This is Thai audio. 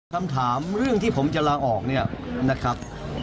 คำถามเรื่องที่ผมจะลาออกเนี่ยนะครับ